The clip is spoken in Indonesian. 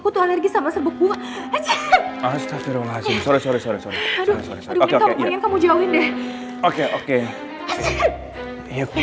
temen kasian gue mimpiaste apa aja ph modern nya